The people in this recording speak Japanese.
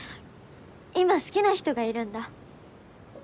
今好きな人がいるんだ。